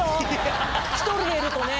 １人でいるとね。